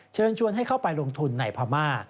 เชิญชวนให้เข้าไปลงทุนในพม่า